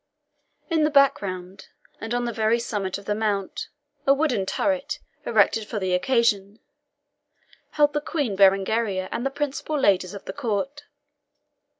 In the background, and on the very summit of the Mount, a wooden turret, erected for the occasion, held the Queen Berengaria and the principal ladies of the Court.